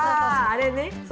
あれね。